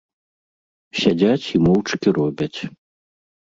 Сядзяць і моўчкі робяць.